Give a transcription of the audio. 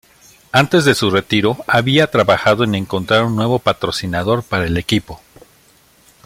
Antes de su retiro había trabajado en encontrar un nuevo patrocinador para el equipo.